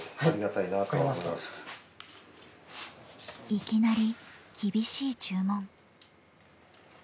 いきなり厳しい注文。